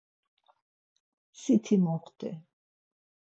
Siti moxti.